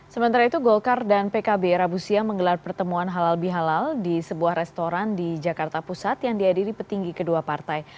sementara itu golkar dan pkb rabu siang menggelar pertemuan halal bihalal di sebuah restoran di jakarta pusat yang dihadiri petinggi kedua partai